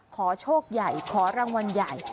ขอโชคใหญ่ขอรางวัลใหญ่